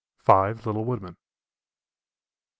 FIVE LITTLE WOODMEN. E.